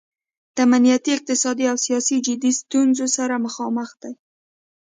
د امنیتي، اقتصادي او سیاسي جدي ستونځو سره مخامخ دی.